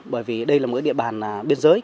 bởi vì đây là một địa bàn biên giới